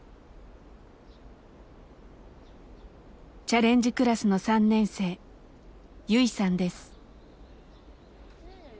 チャレンジクラスの３年生ユイさんです。